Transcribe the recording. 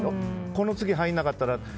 この次入らなかったらって。